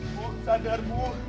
ibu sadar ibu